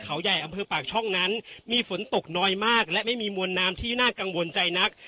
เขาใหญ่อำเภอปากช่องนั้นมีฝนตกน้อยมากและไม่มีมวลน้ำที่น่ากังวลใจนัก